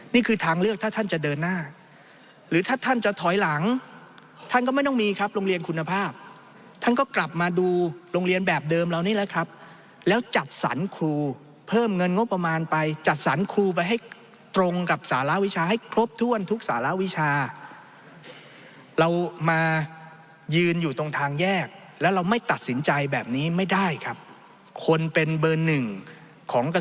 นี่คือทางเลือกถ้าท่านจะเดินหน้าหรือถ้าท่านจะถอยหลังท่านก็ไม่ต้องมีครับโรงเรียนคุณภาพท่านก็กลับมาดูโรงเรียนแบบเดิมเรานี่แหละครับแล้วจัดสรรครูเพิ่มเงินงบประมาณไปจัดสรรครูไปให้ตรงกับสารวิชาให้ครบถ้วนทุกสารวิชาเรามายืนอยู่ตรงทางแยกแล้วเราไม่ตัดสินใจแบบนี้ไม่ได้ครับคนเป็นเบอร์หนึ่งของก